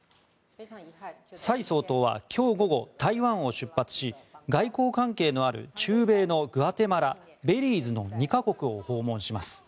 蔡総統は今日午後台湾を出発し外交関係のある中米のグアテマラ、ベリーズの２か国を訪問します。